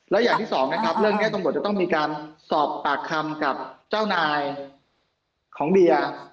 และอย่างที่สองนะครับเรื่องนี้ตำรวจจะต้องมีการสอบปากคำกับเจ้านายของเดีย